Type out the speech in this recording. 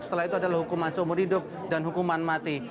setelah itu adalah hukuman seumur hidup dan hukuman mati